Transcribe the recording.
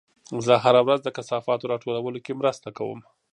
زه هره ورځ د کثافاتو راټولولو کې مرسته کوم.